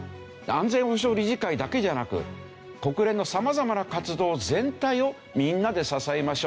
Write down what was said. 安全保障理事会だけじゃなく国連の様々な活動全体をみんなで支えましょう。